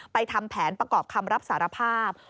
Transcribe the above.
ทำแผนประกอบคำรับสารภาพ